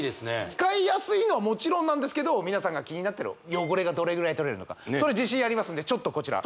使いやすいのはもちろんなんですけど皆さんが気になってる汚れがどれぐらい取れるのかそれ自信ありますんでこちら